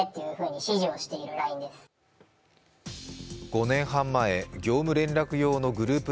５年半前業務連絡用のグループ